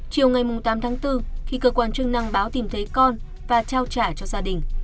chiều ngày tám tháng bốn khi cơ quan chức năng báo tìm thấy con và trao trả cho gia đình